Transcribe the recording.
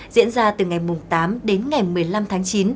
diễn ra từ ngày tám đến ngày một mươi năm tháng chín